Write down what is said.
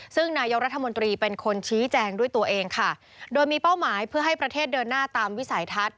ซึ่งนายกรัฐมนตรีเป็นคนชี้แจงด้วยตัวเองค่ะโดยมีเป้าหมายเพื่อให้ประเทศเดินหน้าตามวิสัยทัศน์